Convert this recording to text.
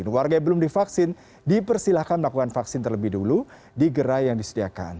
warga yang belum divaksin dipersilahkan melakukan vaksin terlebih dulu di gerai yang disediakan